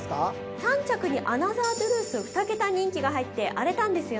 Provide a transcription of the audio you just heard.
３着にアナザートゥルース２桁人気が入って荒れたんですよね。